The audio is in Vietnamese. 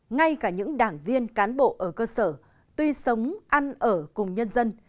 ngay cả những đảng viên cán bộ ở cơ sở tuy sống ăn ở cùng nhân dân